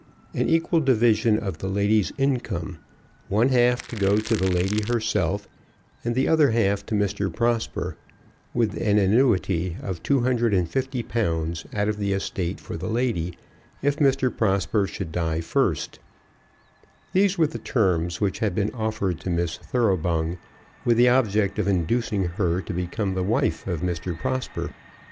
An equal division of the lady's income, one half to go to the lady herself, and the other half to Mr. Prosper, with an annuity of two hundred and fifty pounds out of the estate for the lady if Mr. Prosper should die first: these were the terms which had been offered to Miss Thoroughbung with the object of inducing her to become the wife of Mr. Prosper.